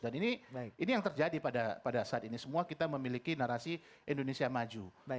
dan ini yang terjadi pada saat ini semua kita memiliki narasi indonesia maju